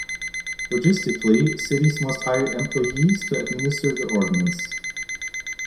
Logistically cities must hire employees to administer the ordinance.